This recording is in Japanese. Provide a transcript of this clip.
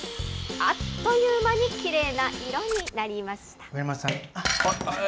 あっという間にきれいな色になりました。